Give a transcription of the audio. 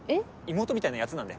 妹みたいなヤツなんで。